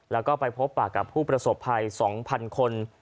แล้วก็ไปพบปากกับผู้ประสบภัย๒๐๐๐คน